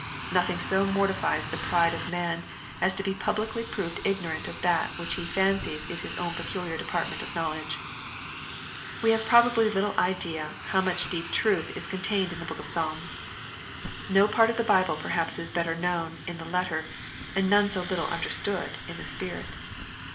Nothing so mortifiies the pride of man, as to be publicly proved ignorant of that which he fan cies is his own peculiar department of knowledge. We have probably little idea how much deep truth is contained in the book of Psalms. No part of the Bible perhaps is better known in the letter, and none so little understood in the spirit.